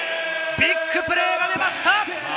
ビッグプレーが出ました！